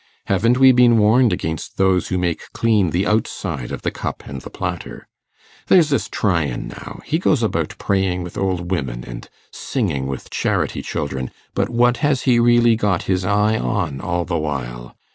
Haven't we been warned against those who make clean the outside of the cup and the platter? There's this Tryan, now, he goes about praying with old women, and singing with charity children; but what has he really got his eye on all the while?